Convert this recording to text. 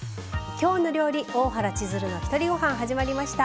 「きょうの料理大原千鶴のひとりごはん」始まりました。